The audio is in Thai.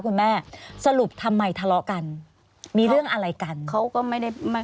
คุณแม่สรุปทำไมทะเลาะกันมีเรื่องอะไรกันเขาก็ไม่ได้ไม่